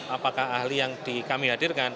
apakah ahli yang kami hadirkan